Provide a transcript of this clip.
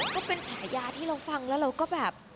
ก็เป็นฉายาที่เราฟังแล้วเราก็แบบ